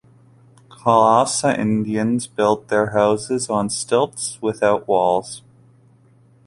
Calusa Indians built their houses on stilts without walls.